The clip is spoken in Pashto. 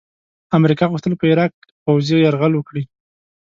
امریکا غوښتل په عراق پوځي یرغل وکړي.